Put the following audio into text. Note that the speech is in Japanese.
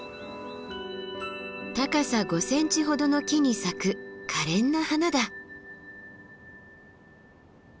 高さ５ｃｍほどの木に咲くかれんな花だ。